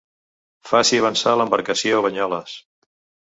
Faci avançar l'embarcació a Banyoles.